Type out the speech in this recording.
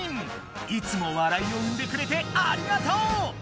いつも笑いを生んでくれてありがとう！